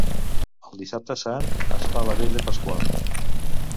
El Dissabte Sant es fa la Vetlla Pasqual.